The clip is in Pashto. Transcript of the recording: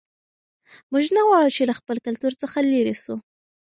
موږ نه غواړو چې له خپل کلتور څخه لیرې سو.